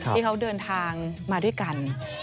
ที่เขาเดินทางมาด้วยกัน